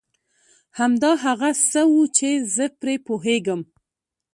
همدا هغه څه و چي زه پرې پوهېږم.